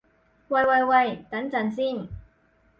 喂喂喂，等陣先